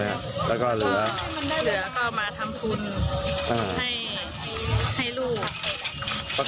ค่ะใช้ในก่อนแล้วก็เหลือมา